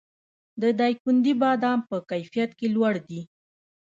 د دایکنډي بادام په کیفیت کې لوړ دي